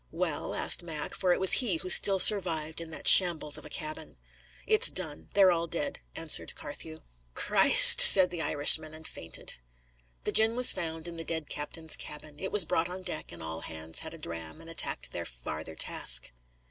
"Well?" asked Mac, for it was he who still survived in that shambles of a cabin. "It's done; they're all dead," answered Carthew. "Christ!" said the Irishman, and fainted. The gin was found in the dead captain's cabin; it was brought on deck, and all hands had a dram, and attacked their farther task.